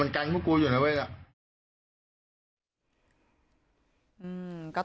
แต่คนที่เบิ้ลเครื่องรถจักรยานยนต์แล้วเค้าก็ลากคนนั้นมาทำร้ายร่างกาย